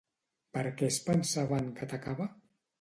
Per què es pensaven que atacava?